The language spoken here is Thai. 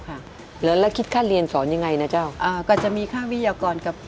กรูผู้สืบสารล้านนารุ่นแรกแรกรุ่นเลยนะครับผม